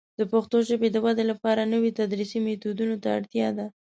د پښتو ژبې د ودې لپاره نوي تدریسي میتودونه ته اړتیا ده.